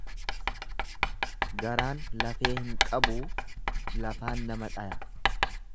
Garaan lafee hin qabuu lafaan nama dhaya.